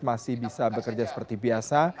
masih bisa bekerja seperti biasa